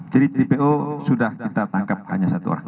jadi dpo sudah kita tangkap hanya satu orang